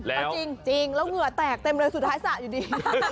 แล้วจริงแล้วเหงื่อแตกเต็มเลยสุดท้ายสระอยู่ดี